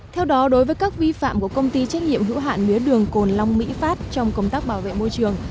theo đó đối với các vi phạm của công ty trách nhiệm hữu hạn mía đường cồn long mỹ phát trong công tác bảo vệ môi trường